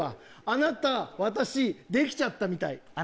「あなた私できちゃった」。